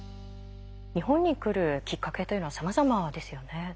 日本に来るきっかけというのはさまざまですよね。